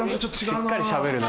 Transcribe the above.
しっかりしゃべるな。